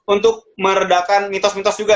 untuk meredakan mitos mitos juga